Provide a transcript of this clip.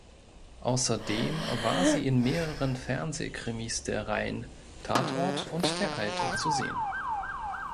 Außerdem war sie in mehreren Fernsehkrimis der Reihen "Tatort" und "Der Alte" zu sehen.